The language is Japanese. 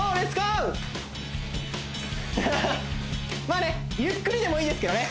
まあねゆっくりでもいいですけどね